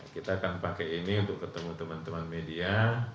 kita akan pakai ini untuk ketemu teman teman media